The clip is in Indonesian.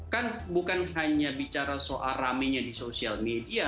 kan bukan hanya bicara soal rame nya di social media